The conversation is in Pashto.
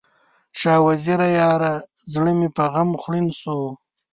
شاه وزیره یاره، زړه مې په غم خوړین شو